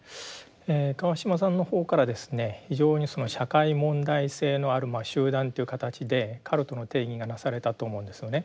川島さんの方からですね非常に社会問題性のある集団という形でカルトの定義がなされたと思うんですよね。